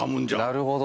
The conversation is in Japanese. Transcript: なるほど。